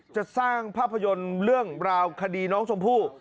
จะสร้างภาพยนตร์เรื่องราวคดีน้องชมพู่